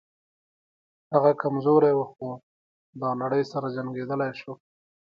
هغه کمزوری و خو د نړۍ سره جنګېدلی شو